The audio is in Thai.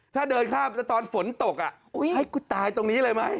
ถ้าเดินข้ามตอนฝนตกให้กูตายตรงนี้เลยไหม